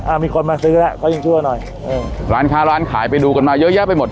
มีคนมาซื้อแล้วเขายังชั่วหน่อยเออร้านค้าร้านขายไปดูกันมาเยอะแยะไปหมด